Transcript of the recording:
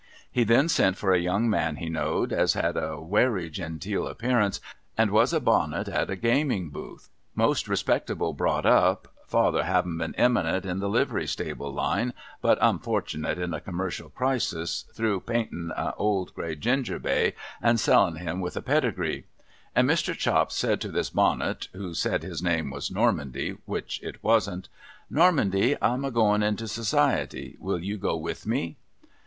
He then sent for a young man he knowed, as had a wery genteel appearance and was a Bonnet at a gaming booth (most respectable brought up, father havin been imminent in the livery stable line but unfort'nate in a commercial crisis, through paintin a old gray, ginger bay, and sellin him with a Pedigree), and Mr. Chops said to this Bonnet, who said his name was Normandy, which it wasn't :' Normandy, I'm a goin into Society. Will you go with me